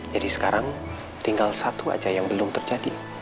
jadi sekarang tinggal satu aja yang belum terjadi